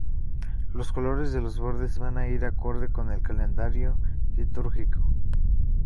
Los colores de los bordes van a ir acorde con el calendario litúrgico.